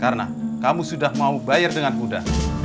karena kamu sudah mau bayar dengan kuda